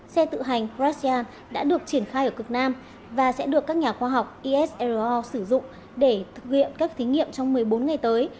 xe tự hành krasian đã được triển khai ở cực nam và sẽ được các nhà khoa học is ro sử dụng để thực hiện các thí nghiệm trong một mươi bốn ngày tới